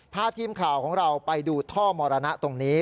พาทีมข่าวของเราไปดูท่อมรณะตรงนี้